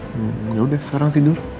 hmm yaudah sekarang tidur